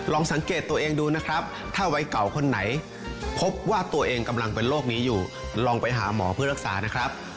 สังเกตตัวเองดูนะครับถ้าวัยเก่าคนไหนพบว่าตัวเองกำลังเป็นโรคนี้อยู่ลองไปหาหมอเพื่อรักษานะครับ